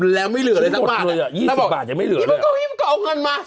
แล้วไม่เหลืออะไรสักมาก